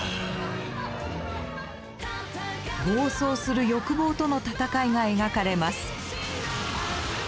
暴走する欲望との戦いが描かれます。